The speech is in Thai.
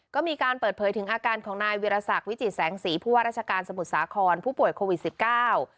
ก็มีการเปิดเผยถึงอาการของนายวิรสักวิจิตแสงสีผู้ว่าราชการสมุทรสาครผู้ป่วยโควิดสิบเก้า